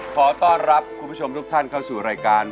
ขอต้อนรับคุณผู้ชมทุกท่านเข้าสู่รายการ